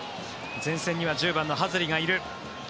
前線には１０番のハズリがいる。